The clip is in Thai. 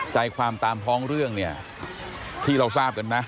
ใจความตามท้องเรื่องเนี่ยที่เราทราบกันนะ